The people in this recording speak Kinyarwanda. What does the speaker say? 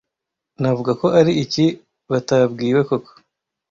navuga ko ari iki batabwiwe koko